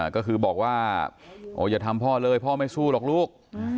ก็คือบอกว่าอย่าทำพ่อเลยพ่อไม่สู้หรอกลูก